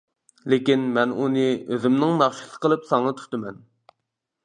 لېكىن مەن ئۇنى ئۆزۈمنىڭ ناخشىسى قىلىپ ساڭا تۇتىمەن.